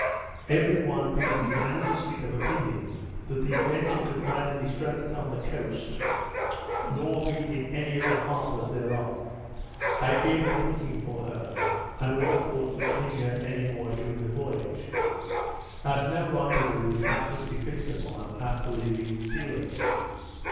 Every one being unanimously of opinion that the Adventure could neither be stranded on the coast, nor be in any of the harbours thereof, I gave up looking for her, and all thoughts of seeing her any more during the voyage, as no rendezvous was absolutely fixed upon after leaving New Zealand.